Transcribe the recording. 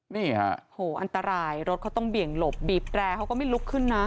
นี่ฮะโหอันตรายรถเขาต้องเบี่ยงหลบบีบแรร์เขาก็ไม่ลุกขึ้นนะ